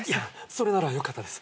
それならよかったです。